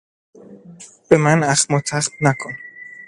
به من اخم و تخم نکن!